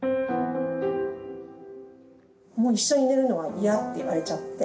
もう一緒に寝るのは嫌って言われちゃって。